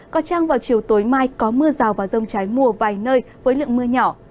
có trăng vào chiều tối mai có mưa rào vào rông trái mùa vài nơi với lượng mưa nhỏ